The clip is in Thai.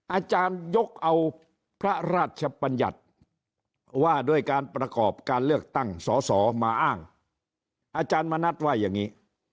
อาจารยกเอาพระราชบัญญัติว่าด้วยการประกอบการเลือกตั้งสอสอมาอ้างอาจารย์มณัฐว่าอย่างนี้